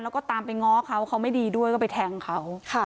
แล้วก็ตามไปง้อเขาเขาไม่ดีด้วยก็ไปแทงเขา